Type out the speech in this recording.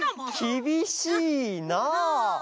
きびしいなあ。